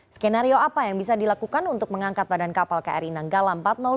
skenario apa yang bisa dilakukan untuk mengangkat badan kapal kri nanggala empat ratus dua